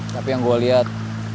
tapi yang gue liat